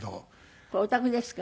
これお宅ですか？